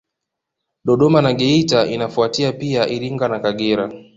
Dodoma na Geita inafuatia pia Iringa na Kagera